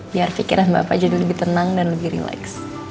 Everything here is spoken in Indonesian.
biar pikiran bapak jadi lebih tenang dan lebih rileks